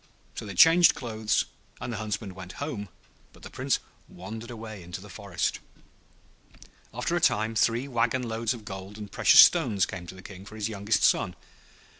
So they changed clothes, and the Huntsman went home, but the Prince wandered away into the forest. After a time three wagon loads of gold and precious stones came to the King for his youngest son.